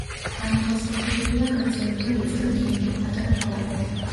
დამახასიათებელია გრძელი და ვიწრო დინგი, პატარა თვალები.